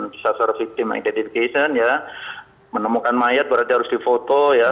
disasar tim identification ya menemukan mayat berarti harus di foto ya